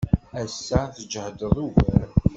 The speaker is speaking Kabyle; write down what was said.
Ass-a, tjehded ugar.